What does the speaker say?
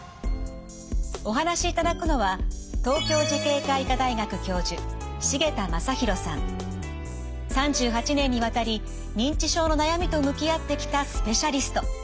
お話しいただくのは３８年にわたり認知症の悩みと向き合ってきたスペシャリスト。